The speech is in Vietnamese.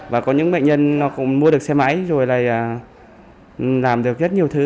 và có những bệnh nhân nó cũng mua được xe máy rồi là làm được rất nhiều thứ